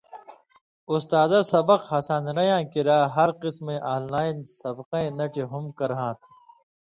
اُستازہ سبق ہسانیۡرَیں یاں کِریا ہر قسمَیں آن لائن سبقَیں نَٹیۡ ہُم کرہاں تھہ۔